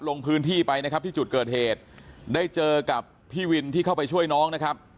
ลงพื้นที่ไปนะครับที่จุดเกิดเหตุได้เจอกับพี่วินที่เข้าไปช่วยน้องนะครับ